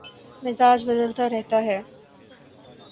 مزاج بدلتا رہتا ہے